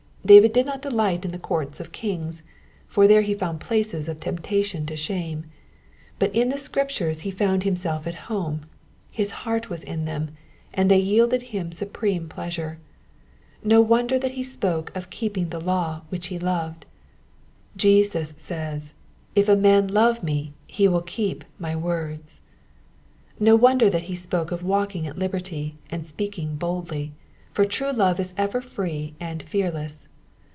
David did not delight in the courts of kings, for there he found places of temptation to shame, but in the Scriptures he found himself at home ; his heart was in them, and they yielded him supreme pleasure. No wonder that he spoke of keeping the law, which he loved ; Jesus says, If a man love me, he will keep my words.'* No wonder that he spoke of walking at liberty, and speaking boldly, for true love is ever free and fearless.